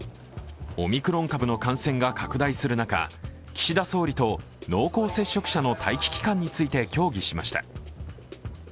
オミクロン株の感染が拡大する中、岸田総理と濃厚接触者の待機期間について協議しました。